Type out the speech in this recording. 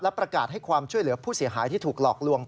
ประกาศให้ความช่วยเหลือผู้เสียหายที่ถูกหลอกลวง